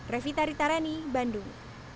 revita ritarani bandung